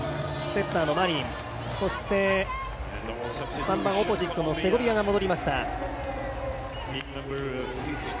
セッターのマリンそして３番、オポジットのセゴビアが戻りました。